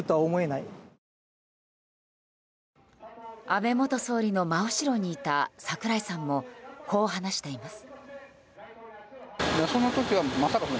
安倍元総理の真後ろにいた櫻井さんもこう話しています。